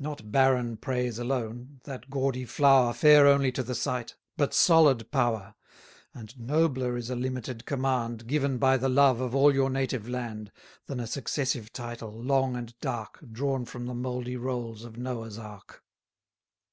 Not barren praise alone that gaudy flower, Fair only to the sight but solid power: And nobler is a limited command, Given by the love of all your native land, 300 Than a successive title, long and dark, Drawn from the mouldy rolls of Noah's ark.